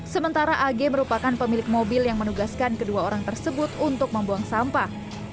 sementara ag merupakan pemilik mobil yang menugaskan kedua orang tersebut untuk membuang sampah